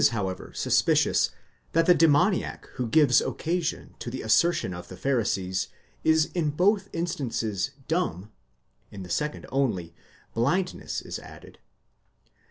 however suspicious that the demoniac who gives occasion to the assertion of the Pharisees, is in both instances dumb (in the second only, blindness is added).